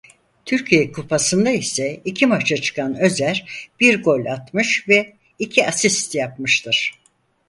Türkiye Kupası'nda ise iki maça çıkan Özer bir gol atmış ve iki asist yapmıştır.